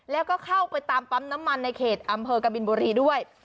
แล้วก็เข้าไปตามปั๊มน้ำมันในเขตอำเภอกบินบุรีด้วย